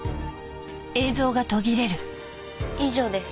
以上です。